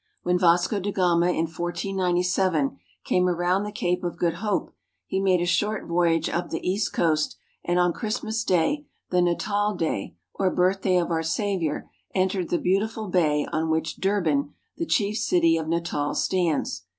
When Vasco da Gama in 1497 came around the Cape of Good Hope, he made a short voyage up the east coast, and on Christmas Day, the natal day or birthday of our Savior, entered the beautiful bay on which Durban (dClr ban'), the chief city of Natal, stands.